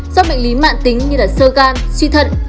do bệnh lý mạng tính như là sơ gan suy thận